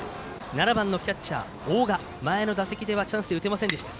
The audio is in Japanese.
７番のキャッチャー大賀前の打席ではチャンスで打てませんでした。